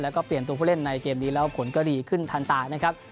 แล้วก็เปลี่ยนตัวผู้เล่นในเกมนี้แล้วผลก็ดีขึ้นทันตานะครับ